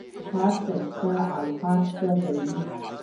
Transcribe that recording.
هر څه یې شته او هر څه به وي.